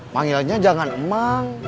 manggilnya jangan emang